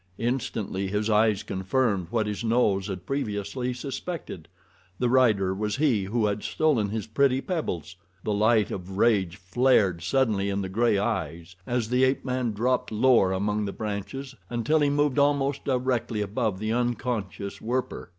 Instantly his eyes confirmed what his nose had previously suspected—the rider was he who had stolen his pretty pebbles. The light of rage flared suddenly in the gray eyes as the ape man dropped lower among the branches until he moved almost directly above the unconscious Werper.